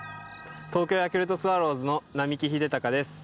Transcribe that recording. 東京ヤクルトスワローズの並木秀尊です。